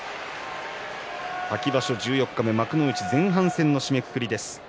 秋場所十四日目幕内前半の締めくくりです。